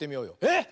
えっ！